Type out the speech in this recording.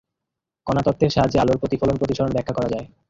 কণাতত্ত্বের সাহায্যে আলোর প্রতিফলন, প্রতিসরণ ব্যাখ্যা করা যায়।